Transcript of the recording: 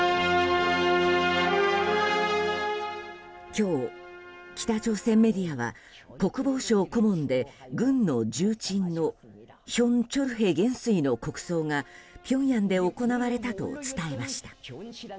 今日、北朝鮮メディアは国防省顧問で軍の重鎮のヒョン・チョルヘ元帥の国葬がピョンヤンで行われたと伝えました。